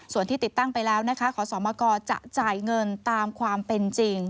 ส่วนที่ติดตั้งไปแล้วนะคะขอสมกจะจ่ายเงินตามความเป็นจริง